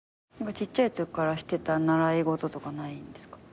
ちっちゃいときからしてた習い事とかないんですか？